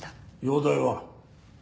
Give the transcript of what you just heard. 容体は？